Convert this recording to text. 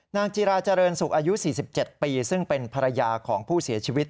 จีราเจริญสุขอายุ๔๗ปีซึ่งเป็นภรรยาของผู้เสียชีวิต